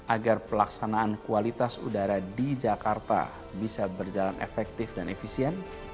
agar pelaksanaan kualitas udara di jakarta bisa berjalan efektif dan efisien